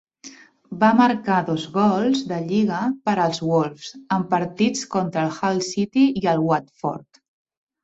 Va marcar dos gols de lliga per als Wolves, en partits contra el Hull City i el Watford.